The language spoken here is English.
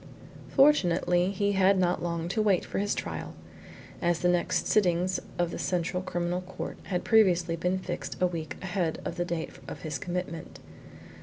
Fortunately he had not long to wait for his trial, as the next sittings of the Central Criminal Court had previously been fixed a week ahead of the date of his commitment.